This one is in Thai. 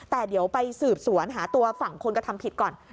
แต่เดี๋ยวไปสืบสวนหาตัวฝั่งคนกระทำผิดก่อน